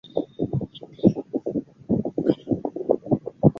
该岛使用普卡普卡语。